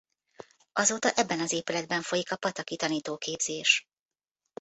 Azóta ebben az épületben folyik a pataki tanítóképzés.